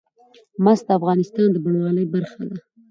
مس د افغانستان د بڼوالۍ برخه ده.